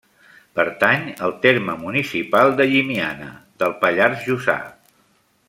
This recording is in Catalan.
Pertany al terme municipal de Llimiana, del Pallars Jussà.